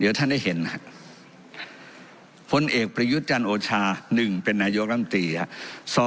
เดี๋ยวท่านได้เห็นนะครับผลเอกประยุทธ์จันทร์โอชา๑เป็นนายกรัมตีครับ